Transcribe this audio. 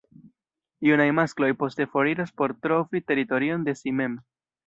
Junaj maskloj poste foriras por trovi teritorion de si mem.